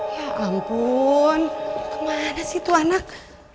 ya ampun kemana sih itu anak